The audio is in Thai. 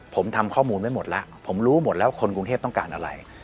ผมทำข้อมูลไว้หมดแล้วผมรู้หมดแล้วคนกรุงเทพต้องการอะไร